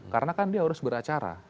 karena kan dia harus beracara